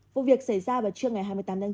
vụ việc xảy ra vào trưa ngày hai mươi tám tháng chín